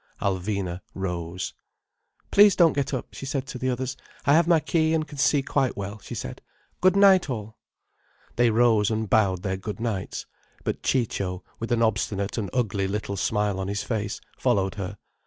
Alvina rose. "Please don't get up," she said to the others. "I have my key and can see quite well," she said. "Good night all." They rose and bowed their good nights. But Ciccio, with an obstinate and ugly little smile on his face, followed her.